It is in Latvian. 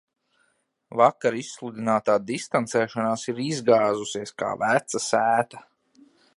Vakar izsludinātā distancēšanās ir izgāzusies, kā veca sēta.